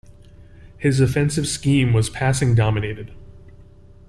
His offensive scheme was passing-dominated.